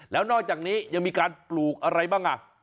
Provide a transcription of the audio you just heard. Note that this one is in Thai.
แล้วนอกจากนี้ยังมีการปลูกอะไรบ้างอ่ะ